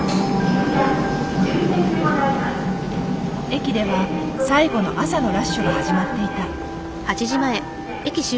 駅では最後の朝のラッシュが始まっていた。